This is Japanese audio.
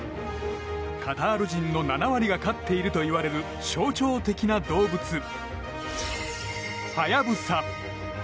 カタール人の７割が飼っているといわれる象徴的な動物、ハヤブサ。